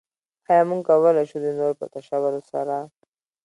ايا موږ کولای شو د نورو په تشولو سره.